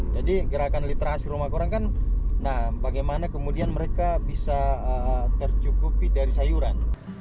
jadi gerakan literasi rumah korang kan nah bagaimana kemudian mereka bisa tercukupi dari sayuran